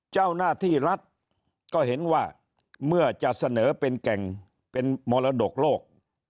เจ้าหน้าที่รัฐก็เห็นว่าเมื่อจะเสนอเป็นแก่งเป็นมรดกโลก